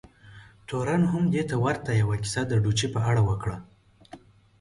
تورن هم دې ته ورته یوه کیسه د ډوچي په اړه وکړه.